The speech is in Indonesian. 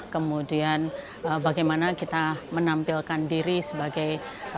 kemudian bagaimana kita menampilkan diri sebagai